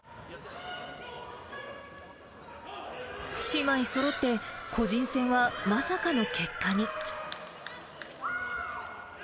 姉妹そろって個人戦はまさかの結果に。